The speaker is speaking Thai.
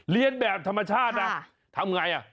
เลี้ยนแบบธรรมชาติทำไง